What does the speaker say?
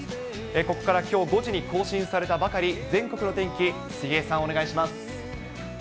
ここからきょう５時に更新されたばかり、全国の天気、杉江さん、お願いします。